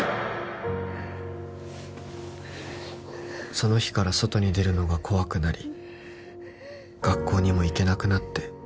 「その日から外に出るのが怖くなり」「学校にも行けなくなって」